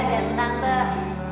dan tidak lupa